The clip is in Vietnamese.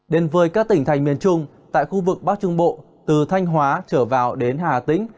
đến với các tỉnh thành miền trung tại khu vực bắc trung bộ từ thanh hóa trở vào đến hà tĩnh